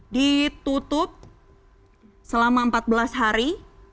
ditutup selama empat belas hari